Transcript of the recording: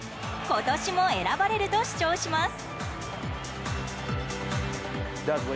今年も選ばれると主張します。